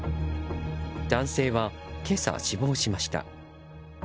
男性は今朝、死亡しました。